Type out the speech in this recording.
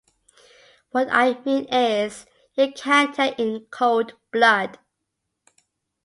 What I mean is, you can't tell in cold blood.